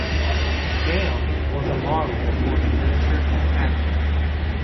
Gam was a model before she ventured into acting.